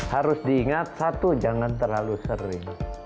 harus diingat satu jangan terlalu sering